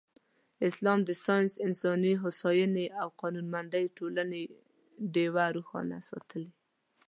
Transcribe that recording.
اسلام د ساینس، انساني هوساینې او قانونمندې ټولنې ډېوه روښانه ساتلې.